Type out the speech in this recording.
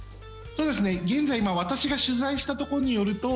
現在私が取材したところによると